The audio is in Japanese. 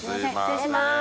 失礼します。